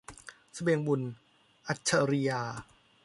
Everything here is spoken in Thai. เสบียงบุญ - อัจฉรียา